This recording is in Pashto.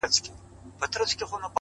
تا خو د خپل وجود زکات کله هم ونه ايستی”